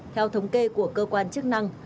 theo thống kê của cơ quan chức năng